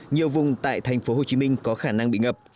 nhiều vùng tại thành phố hồ chí minh có khả năng bị ngập